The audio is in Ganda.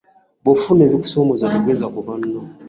Bwofuna ebikusomooza tegeza ku banno.